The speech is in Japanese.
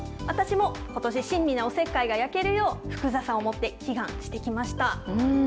私もことし、親身なおせっかいが焼けるよう、福笹を持って祈願してきました。